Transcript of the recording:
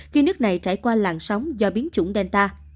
khi nước này trải qua làn sóng do biến chủng delta